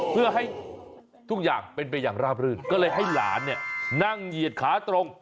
เพื่อให้ทุกอย่างเป็นไปอย่างราบรื่นก็เลยให้หลานเนี่ยนั่งเหยียดขาตรง